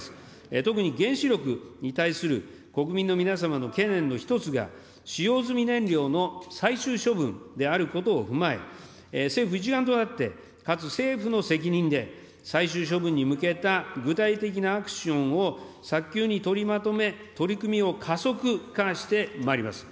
特に原子力に対する国民の皆様の懸念の一つが、使用済み燃料の最終処分であることを踏まえ、政府一丸となって、かつ政府の責任で、最終処分に向けた具体的なアクションを早急に取りまとめ、取り組みを加速化してまいります。